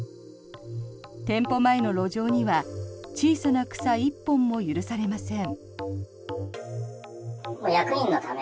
店舗前の路上には小さな草１本も許されません。